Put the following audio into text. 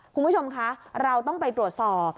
คุณผู้ชมคะเราต้องไปตรวจสอบ